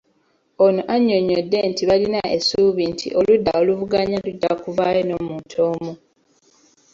Ono annyonnyodde nti balina essuubi nti oludda oluvuganya lujja kuvaayo n'omuntu omu.